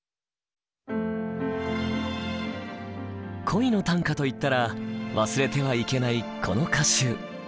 「恋の短歌」といったら忘れてはいけないこの歌集。